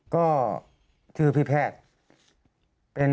ก็ชื่อพี่แพทย์